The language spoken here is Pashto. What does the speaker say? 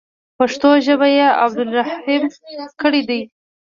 پښتو ژباړه یې عبدالرحیم کړې ده.